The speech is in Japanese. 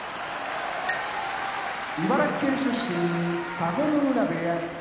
茨城県出身田子ノ浦部屋